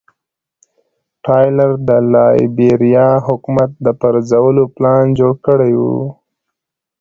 ټایلر د لایبیریا حکومت د پرځولو پلان جوړ کړی و.